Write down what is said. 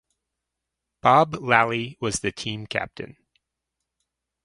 Bob Lally was the team captain.